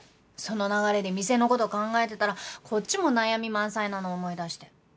その流れで店の事考えてたらこっちも悩み満載なの思い出して。